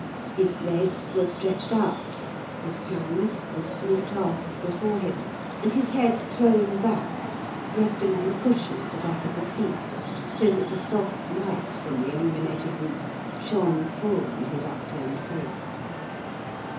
His legs were stretched out, his hands loosely clasped before him, and his head thrown back, resting on the cushion at the back of the seat, so that the soft light from the illuminated roof shone full on his upturned face.